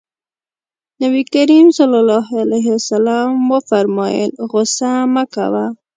نبي کريم ص وفرمايل غوسه مه کوه.